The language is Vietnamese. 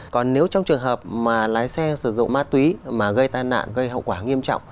còn nếu trong trường hợp mà lái xe sử dụng ma túy mà gây tai nạn gây hậu quả nghiêm trọng